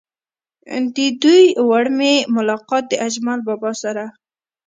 د دوي وړومبے ملاقات د اجمل بابا سره